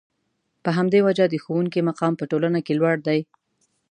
په همدې وجه د ښوونکي مقام په ټولنه کې لوړ دی.